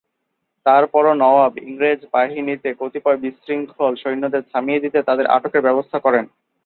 তারপরও নওয়াব ইংরেজ সৈন্যবাহিনীতে কতিপয় বিশৃঙ্খল সৈন্যদের থামিয়ে দিতে তাদের আটকের ব্যবস্থা করেন।